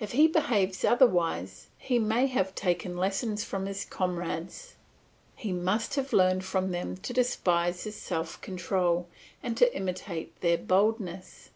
If he behaves otherwise, he must have taken lessons from his comrades, he must have learned from them to despise his self control, and to imitate their boldness.